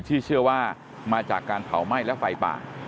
เชื่อว่ามาจากการเผาไหม้และไฟป่า